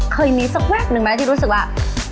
เคยมีสักแวบหนึ่งไหมที่รู้สึกว่า